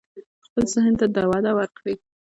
خپل ذهن ته وده ورکړئ.